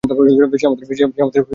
সে আমাদের দেখে ফেলেছে মনে করছ?